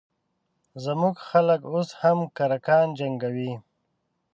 زموږ خلک اوس هم کرکان جنګوي